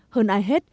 hơn ai hết